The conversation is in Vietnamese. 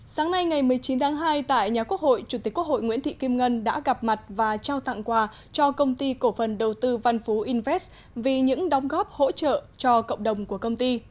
sáng nay ngày một mươi chín tháng hai tại nhà quốc hội chủ tịch quốc hội nguyễn thị kim ngân đã gặp mặt và trao tặng quà cho công ty cổ phần đầu tư văn phú invest vì những đóng góp hỗ trợ cho cộng đồng của công ty